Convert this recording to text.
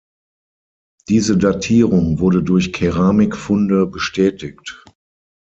Diese Datierung wurde durch Keramikfunde bestätigt.